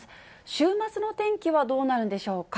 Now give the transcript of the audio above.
週末の天気はどうなるのでしょうか。